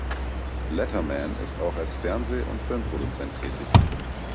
Letterman ist auch als Fernseh- und Filmproduzent tätig.